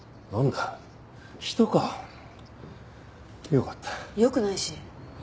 よくないし。